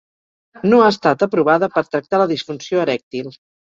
No ha estat aprovada per tractar la disfunció erèctil.